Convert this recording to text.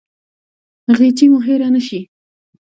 غیچي مو هیره نه شي